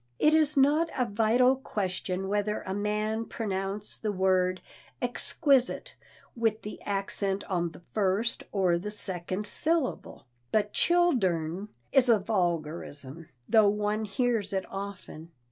It is not a vital question whether a man pronounce the word "exquisite" with the accent on the first or the second syllable, but "childern" is a vulgarism, though one hears it often.